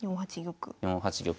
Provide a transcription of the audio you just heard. ４八玉。